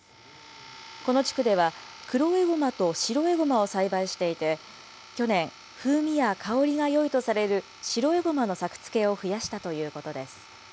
この地区では、黒エゴマと白エゴマを栽培していて、去年、風味や香りがよいとされる白エゴマの作付けを増やしたということです。